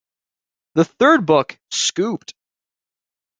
The third book, Scooped!